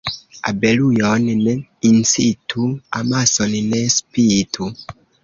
Abelujon ne incitu, amason ne spitu.